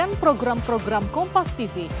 dengan program program kompas tv